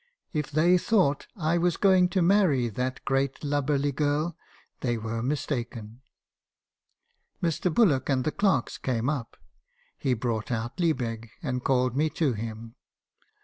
If they thought I was going to marry that great lub berly girl , they were mistaken. Mr. Bullock and the clerks came up. He brought out Liebig, and called me to him.